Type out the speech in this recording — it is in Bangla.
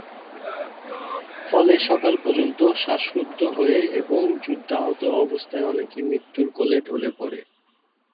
ফলে সকাল পর্যন্ত শ্বাসরুদ্ধ হয়ে এবং যুদ্ধাহত অবস্থায় অনেকেই মৃত্যুর কোলে ঢলে পড়ে।